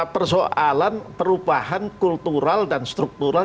persoalan perubahan kultural dan struktural